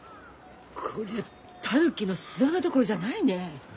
こりゃあタヌキの巣穴どころじゃないね。